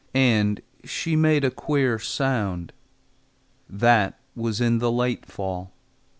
And she made a queer sound. That was in the late fall.